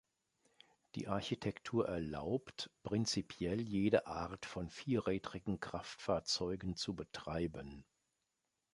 Die Architektur erlaubt, prinzipiell jede Art von vierrädrigen Kraftfahrzeugen zu betreiben.